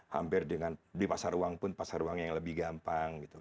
hampir dengan beli pasar uang pun pasar uang yang lebih gampang gitu